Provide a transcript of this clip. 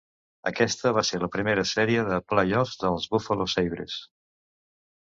Aquesta va ser la primera sèrie de play-offs dels Buffalo Sabres.